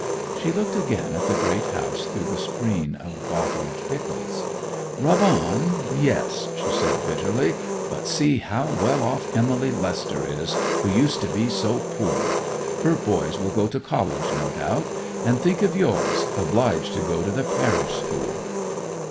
She looked again at the great house through the screen of bottled pickles. 'Rub on—yes,' she said bitterly. 'But see how well off Emmy Lester is, who used to be so poor! Her boys will go to College, no doubt; and think of yours—obliged to go to the Parish School!